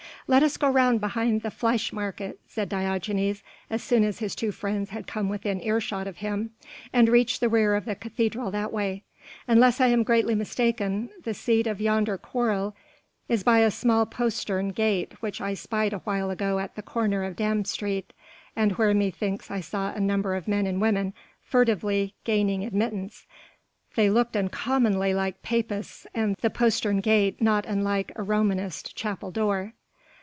"Let us go round behind the Fleischmarkt," said Diogenes, as soon as his two friends had come within ear shot of him, "and reach the rear of the cathedral that way. Unless I am greatly mistaken the seat of yonder quarrel is by a small postern gate which I spied awhile ago at the corner of Dam Straat and where methinks I saw a number of men and women furtively gaining admittance: they looked uncommonly like Papists and the postern gate not unlike a Romanist chapel door."